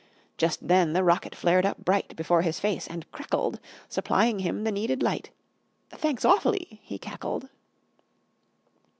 Just then the rocket flared up bright Before his face and crackled, Supplying him the needed light "Thanks, awfully," he cackled.